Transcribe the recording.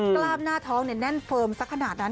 กล้ามหน้าท้องแน่นเฟิร์มสักขนาดนั้น